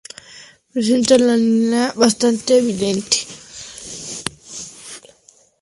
Presenta una línea lateral bastante evidente.